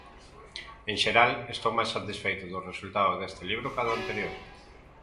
En xeral, estou máis satisfeito do resultado deste libro ca do anterior.